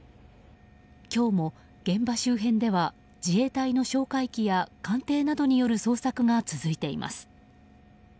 今日も現場周辺では自衛隊の哨戒機や艦艇などによる捜索が続いています。